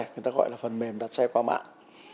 người ta gọi là phần mềm đặt xe qua mạng